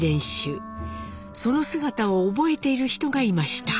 その姿を覚えている人がいました。